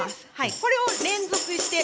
これを連続して。